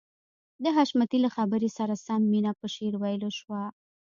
د حشمتي له خبرې سره سم مينه په شعر ويلو شوه.